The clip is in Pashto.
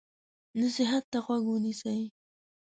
نصیحت ته غوږ ونیسئ.